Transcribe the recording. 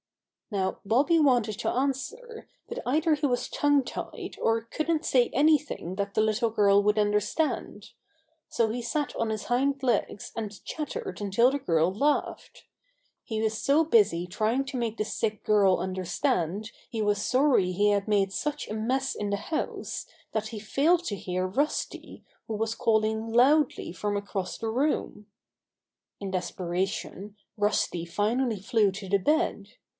Now Bobby wanted to answer, but either he was tongue tied or couldn't say anything that the little girl would understand. So he sat on his hind legs and chattered until the girl laughed. He was so busy trying to make the sick girl understand he was sorry he had made such a mess in the house that he failed to hear Little Girl Saves Bobby and Rusty 29 Rusty, who was calling loudly from across the room. In desperation, Rusty finally flew to the bed.